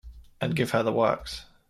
And give her the works.